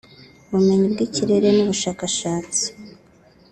ubumenyi bw’ikirere n’ubushakashatsi